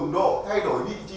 đặc điểm rất chú ý